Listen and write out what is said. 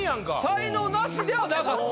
才能ナシではなかった。